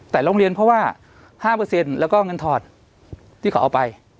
แต่โรงเรียนเพราะว่า๕แล้วก็เงินถอดที่เขาเอาไป